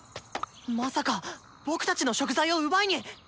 まさか僕たちの食材を奪いに。